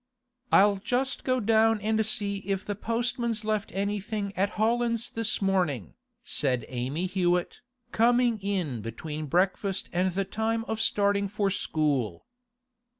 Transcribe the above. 'I'll just go down and see if the postman's left anything at Holland's this morning,' said Amy Hewett, coming in between breakfast and the time of starting for school.